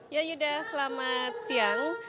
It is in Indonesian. ya yuda selamat siang